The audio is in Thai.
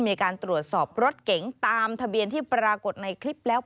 มีการตรวจสอบรถเก๋งตามทะเบียนที่ปรากฏในคลิปแล้ว